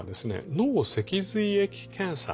脳脊髄液検査。